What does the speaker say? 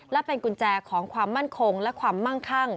และเป็นกุญแจของความมั่นคงและความมั่งคั่ง